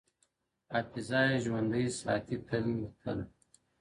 • حافظه يې ژوندۍ ساتي تل تل..